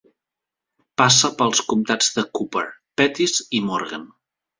Passa pels comtats de Cooper, Pettis i Morgan.